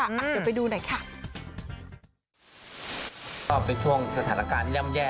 อะเดี๋ยวไปดูหน่อยค่ะ